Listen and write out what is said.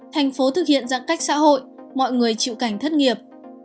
thành phố thực hiện giãn cách xã hội mọi người chịu cảnh thất nghiệp